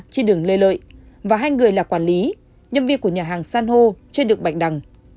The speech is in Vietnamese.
trên đường lê lợi và hai người là quản lý nhân viên của nhà hàng san hô trên đường bạch đằng